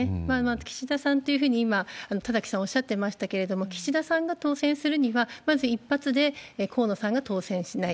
岸田さんというふうに今、田崎さんおっしゃってましたけれども、岸田さんが当選するには、まず一発で河野さんが当選しない。